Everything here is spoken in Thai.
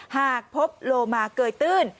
หากพบโลมาเกยตื้น